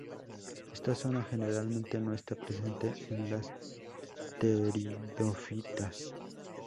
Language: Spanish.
Esta zona generalmente no está presente en las pteridofitas.